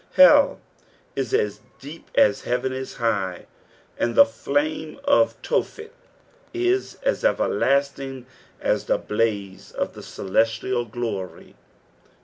Hell is as deep as beareit is high, and the flame of Tophet is as everlasting as the blaze of the celestial gloiy.